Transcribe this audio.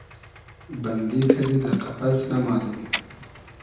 بئندی کئدی دۂ قئپس ، ئمادی